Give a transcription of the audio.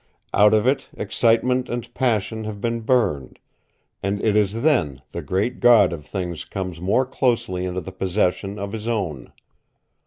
Out of it excitement and passion have been burned, and it is then the Great God of things comes more closely into the possession of his own.